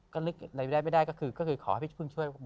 ก็นึกอะไรไม่ได้ก็คือขอให้พี่พึ่งช่วย